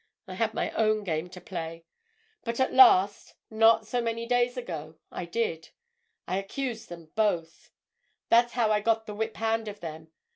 I had my own game to play. But at last—not so many days ago—I did. I accused them both. That's how I got the whip hand of them.